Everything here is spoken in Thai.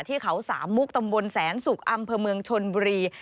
ที่เขาสามมุกตำบลแสนสุกอำเภอเมืองชนบุรี